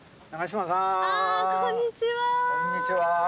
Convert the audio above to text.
あこんにちは。